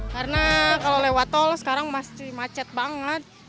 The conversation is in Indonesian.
karena kalau lewat tol sekarang masih macet banget